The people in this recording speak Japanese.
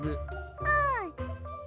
うん。